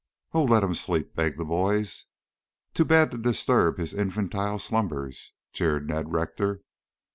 "Oh let him sleep," begged the boys. "Too bad to disturb his infantile slumbers," jeered Ned Rector.